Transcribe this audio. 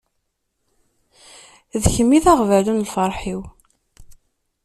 D kemm i d aɣbalu n lferḥ-iw.